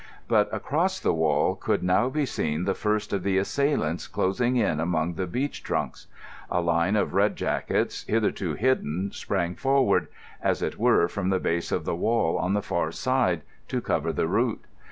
But across the wall could now be seen the first of the assailants closing in among the beech trunks. A line of red jackets, hitherto hidden, sprang forward—as it were from the base of the wall on the far side—to cover the route.